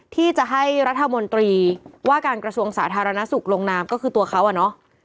ที่จะให้รัฐมนตรีว่าการกระทรวงสาธารณสุขลงนามก็คือตัวเขาอะเนาะ